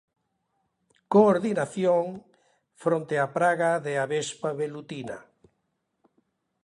"Coordinación" fronte á praga de avespa velutina.